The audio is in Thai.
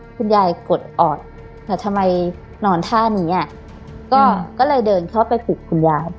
คุณยายกดออดแต่ทำไมนอนท่านี้อ่ะก็เลยเดินเข้าไปผูกคุณยาย